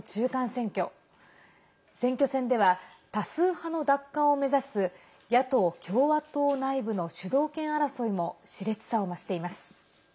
選挙戦では多数派の奪還を目指す野党・共和党内部の主導権争いもしれつさを増しています。